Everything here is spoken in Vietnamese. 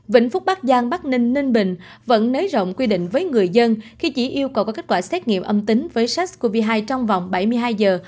vĩnh phúc bắc giang bắc ninh ninh bình vẫn nới rộng quy định với người dân khi chỉ yêu cầu có kết quả xét nghiệm âm tính với sars cov hai trong vòng bảy mươi hai giờ